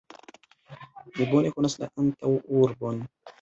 Mi bone konas la antaŭurbon.